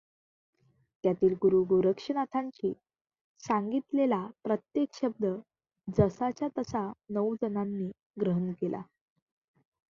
त्यातील गुरू गोरक्षनाथांची सांगितलेला प्रत्येक शब्द जसाच्या तसा नऊ जणांनी ग्रहण केला.